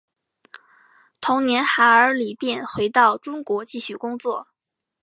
同年韩尔礼便回到中国继续工作。